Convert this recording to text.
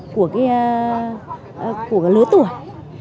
của cái lối tuổi này